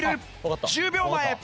１０秒前。